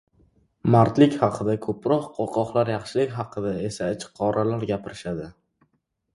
Mardlik haqida ko‘proq qo‘rqoqlar, yaxshilik haqida esa ichiqoralar gapirishadi.